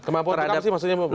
kemampuan apa maksudnya